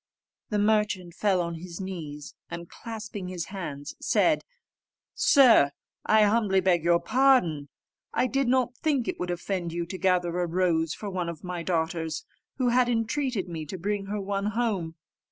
The merchant fell on his knees, and clasping his hands, said, "Sir, I humbly beg your pardon: I did not think it would offend you to gather a rose for one of my daughters, who had entreated me to bring her one home.